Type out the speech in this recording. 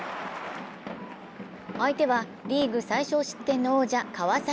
相手はリーグ最少失点の王者、川崎。